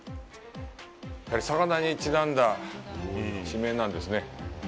やっぱり、魚にちなんだ地名なんですね。